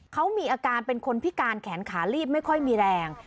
เขามีอาการเป็นคนพิการแขนขาลีบไม่ค่อยมีแรง